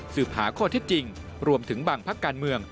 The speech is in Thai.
หาข้อเท็จจริงรวมถึงบางพักการเมือง